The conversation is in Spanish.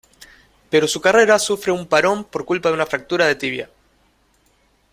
Pero su carrera sufre un parón por culpa de una fractura de tibia.